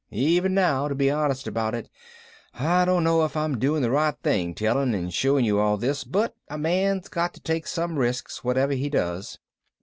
Even now, to be honest about it, I don't know if I'm doing the right thing telling and showing you all this, but a man's got to take some risks whatever he does."